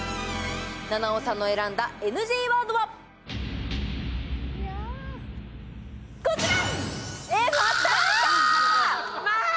菜々緒さんの選んだＮＧワードはこちら！